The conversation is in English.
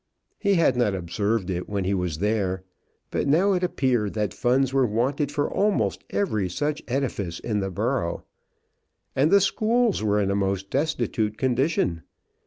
He had not observed it when he was there, but now it appeared that funds were wanted for almost every such edifice in the borough. And the schools were in a most destitute condition.